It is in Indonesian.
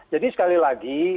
jadi sekali lagi